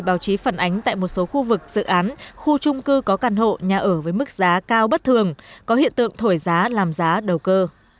báo chí phản ánh tại một số khu vực dự án khu trung cư có căn hộ nhà ở với mức giá cao bất thường có hiện tượng thổi giá làm giá đầu cơ